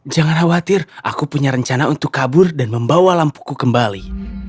jangan khawatir aku punya rencana untuk kabur dan membawa lampuku kembali